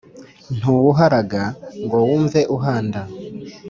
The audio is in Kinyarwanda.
ntuwuharaga ngo wumve uhanda